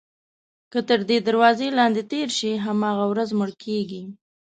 که تر دې دروازې لاندې تېر شي هماغه ورځ مړ کېږي.